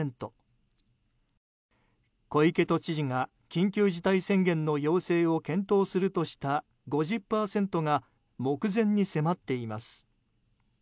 小池都知事が緊急事態宣言の要請を検討するとした５０％が目前に迫っています。